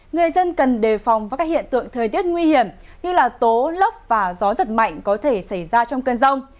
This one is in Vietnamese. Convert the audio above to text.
người dân cần đề phòng với các hiện tượng thời tiết nguy hiểm như tố lốc và gió giật mạnh có thể xảy ra trong cơn rông